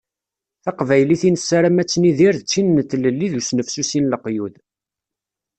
Taqbaylit i nessaram ad tt-nidir d tin n tlelli d usnefsusi n leqyud.